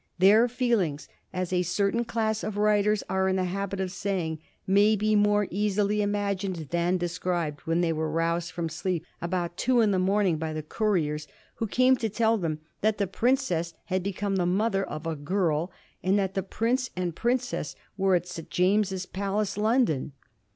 Tiieir feelings, as a certain class of writers are in the habit of saying, may be more easily imagined than described when they were roused from sleep about two in the morning by the couriers, who came to tell them that the princess had become the mother of a girl, and that the prince and princess were at St. James's Palace, London.